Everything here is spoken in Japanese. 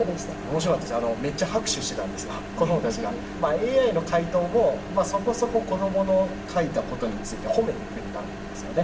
ＡＩの回答も、そこそこ子どもの書いたことについて褒めてくれたんですよね。